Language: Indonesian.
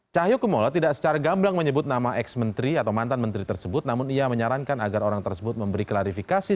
cahyokumolo tidak secara gamblang menyebut nama ex menteri atau mantan menteri tersebut namun ia menyarankan agar orang tersebut memberi klarifikasi